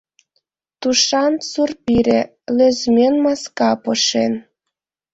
Тушан сур пире, лӧзмӧн маска пошен.